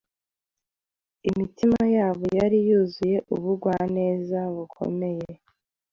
Imitima yabo yari yuzuye ubugwaneza bukomeye,